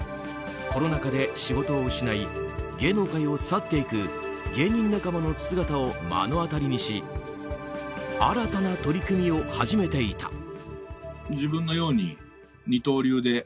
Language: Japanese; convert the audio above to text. コロナ禍で仕事を失い芸能界を去っていく芸人仲間の姿を目の当たりにし新たな取り組みを始めていた。